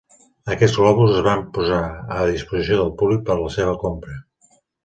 Aquests globus es van posar a disposició del públic per a la seva compra.